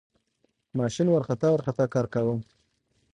ماشین ورخطا ورخطا کار کاوه.